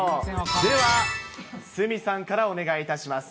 では、鷲見さんからお願いいたします。